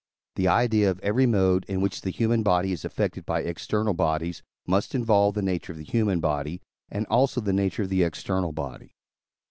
The idea of every mode, in which the human body is affected by external bodies, must involve the nature of the human body, and also the nature of the external body.